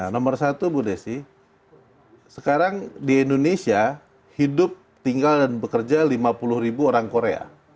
nomor satu bu desi sekarang di indonesia hidup tinggal dan bekerja lima puluh ribu orang korea